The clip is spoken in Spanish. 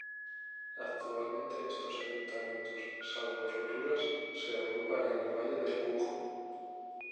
Actualmente estos ayuntamientos salvo Roturas se agrupan en el Valle del Cuco.